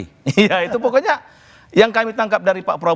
iya itu pokoknya yang kami tangkap dari pak prabowo